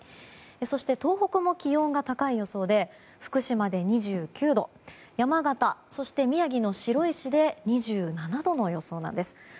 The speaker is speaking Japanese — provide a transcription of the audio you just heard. そして東北も気温が高い予想で福島で２９度山形、そして宮城の白石で２７度の予想なんです。